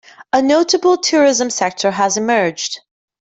A notable tourism sector has emerged.